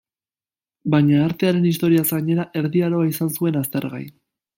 Baina artearen historiaz gainera, Erdi Aroa izan zuen aztergai.